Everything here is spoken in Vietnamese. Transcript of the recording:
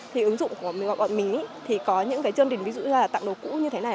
thì ứng dụng của bọn mình thì có những chương trình ví dụ như là tặng đồ cũ như thế này